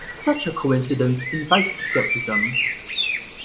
Such a coincidence invites scepticism.